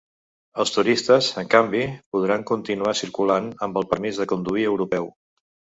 Els turistes, en canvi, podran continuar circulant amb el permís de conduir europeu.